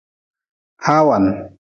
Hawan.